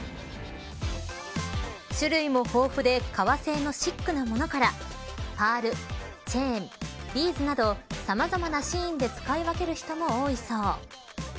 種類も豊富で革製のシックなものからパール、チェーン、ビーズなどさまざまなシーンで使い分ける人も多いそう。